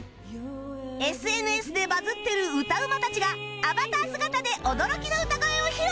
ＳＮＳ でバズってる歌うまたちがアバター姿で驚きの歌声を披露！